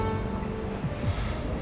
dan ini semua bukan kemauannya elsa nino